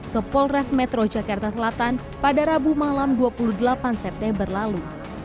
ke polres metro jakarta selatan pada rabu malam dua puluh delapan september lalu